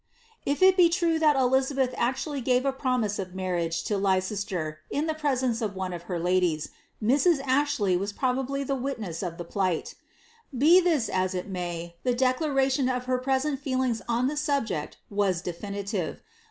"* true that Elizabeth actually gave a promise of marriage to ID the presence of one of her ladies, Mrs. Ashley was proba itness of the pliglit Be this as it may, the declaration of her elings on the subject was definitive.